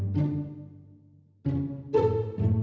pindah dalem ya